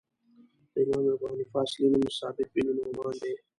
د امام ابو حنیفه اصلی نوم ثابت بن نعمان دی .